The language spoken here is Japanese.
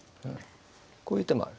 こういう手もある。